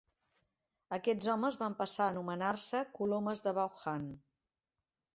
Aquests homes van passar a anomenar-se "colomes de Vaughan".